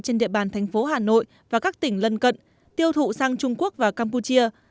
trên địa bàn thành phố hà nội và các tỉnh lân cận tiêu thụ sang trung quốc và campuchia